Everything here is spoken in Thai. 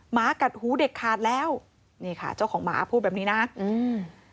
หมากัดหูเด็กขาดแล้วนี่ค่ะเจ้าของหมาพูดแบบนี้นะอืม